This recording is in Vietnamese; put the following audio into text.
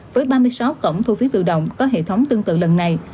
với ba mươi sáu cổng thu phí tự động có hệ thống tương tự lần này